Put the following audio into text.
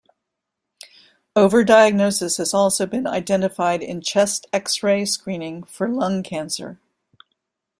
Overdiagnosis has also been identified in chest x-ray screening for lung cancer.